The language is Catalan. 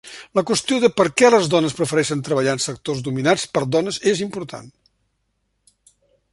La qüestió de per què les dones prefereixen treballar en sectors dominats per dones és important.